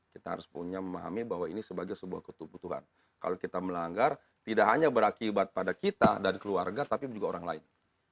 kita harus punya memahami bahwa ini sebagai sebuah ketupatuhan kalau kita melanggar tidak hanya berakibat pada kita dan keluarga tapi juga orang lain